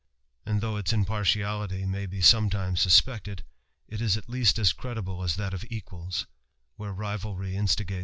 An though its impartiality may be sometimes suspected, it is a least as credible as that of equals, where rivalry instigate!